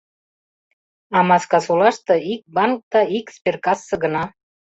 А Маскасолаште ик банк да ик сберкассе гына.